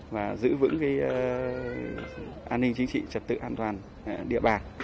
và giữ vững an ninh chính trị